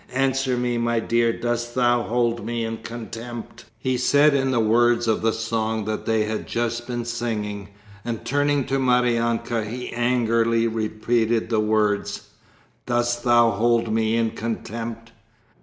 "Answer me, my dear, dost thou hold me in contempt?" he said in the words of the song they had just been singing, and turning to Maryanka he angrily repeated the words: "Dost thou hold me in contempt?